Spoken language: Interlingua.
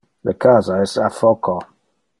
Le casa es a foco.